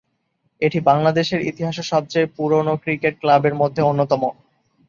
এটি বাংলাদেশের ইতিহাসে সবচেয়ে পুরোনো ক্রিকেট ক্লাবের মধ্যে অন্যতম।